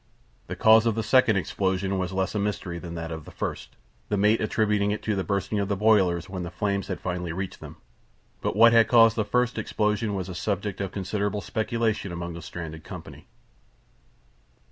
The cause of the second explosion was less a mystery than that of the first, the mate attributing it to the bursting of the boilers when the flames had finally reached them; but what had caused the first explosion was a subject of considerable speculation among the stranded company.